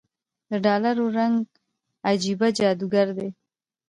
دډالرو رنګ عجيبه جادوګر دی